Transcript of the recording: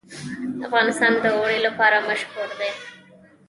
افغانستان د اوړي لپاره مشهور دی.